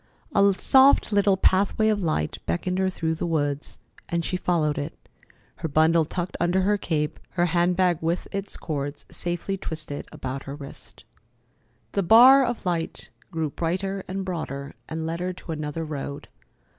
A soft little pathway of light beckoned her through the woods, and she followed it, her bundle tucked under her cape, her hand bag with its cords safely twisted about her wrist. The bar of light grew brighter and broader, and led her to another road.